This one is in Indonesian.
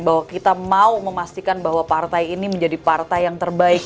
bahwa kita mau memastikan bahwa partai ini menjadi partai yang terbaik